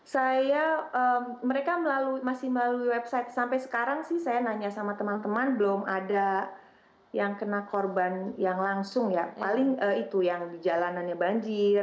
saya mereka masih melalui website sampai sekarang sih saya nanya sama teman teman belum ada yang kena korban yang langsung ya paling itu yang di jalanannya banjir